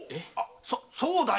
そうだよ。